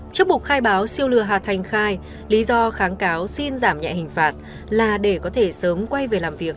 trước buộc khai báo siêu lừa hà thành khai lý do kháng cáo xin giảm nhẹ hình phạt là để có thể sớm quay về làm việc